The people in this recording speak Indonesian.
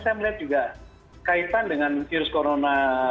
saya melihat juga kaitan dengan virus corona